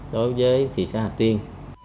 đối với thị xã hà tiên